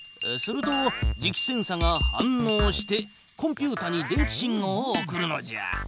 すると磁気センサが反のうしてコンピュータに電気信号を送るのじゃ。